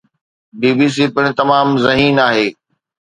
بي B C پڻ تمام ذهين آهي